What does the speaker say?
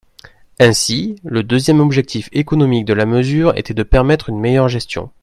Ainsi, le deuxième objectif économique de la mesure était de permettre une meilleure gestion.